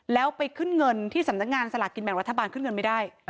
แล้วไปขึ้นเงินที่สำนักงานสลากกินแบ่งรัฐบาลขึ้นเงินไม่ได้